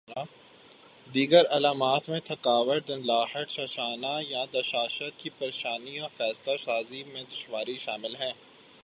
دیگر علامات میں تھکاوٹ دھندلاہٹ چھا جانا یادداشت کی پریشانی اور فیصلہ سازی میں دشواری شامل ہیں